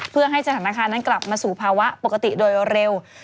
เพื่อให้สถานการณ์นั้นกลับมาสู่ภาวะปกติโดยเร็ว